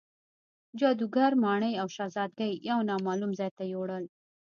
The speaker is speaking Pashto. جادوګر ماڼۍ او شهزادګۍ یو نامعلوم ځای ته یووړل.